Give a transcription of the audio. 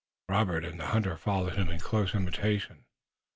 Robert and the hunter followed him in close imitation.